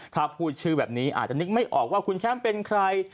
ถ้าพูดชื่อแบบนี้อาจจะนึกไม่ออกว่าคุณแชมป์เป็นใคร